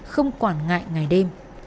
không quản ngại ngày đêm